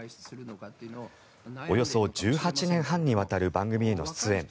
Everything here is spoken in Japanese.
およそ１８年半にわたる番組の出演。